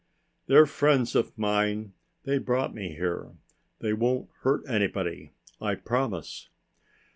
"They're friends of mine. They brought me here. They won't hurt anybody. I promise."